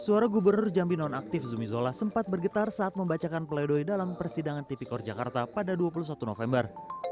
suara gubernur jambi nonaktif zumi zola sempat bergetar saat membacakan pleidoy dalam persidangan tipikor jakarta pada dua puluh satu november